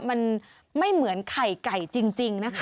มันไม่เหมือนไข่ไก่จริงนะคะ